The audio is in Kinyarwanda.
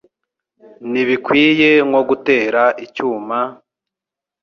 Ntibikwiye nko gutera icyuma: